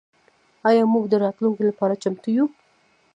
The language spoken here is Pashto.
آیا موږ د راتلونکي لپاره چمتو یو؟